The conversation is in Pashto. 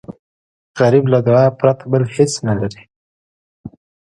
غریب له دعا پرته بل څه نه لري